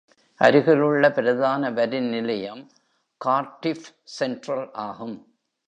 அருகிலுள்ள பிரதான வரி நிலையம் கார்டிஃப் சென்ட்ரல் ஆகும்.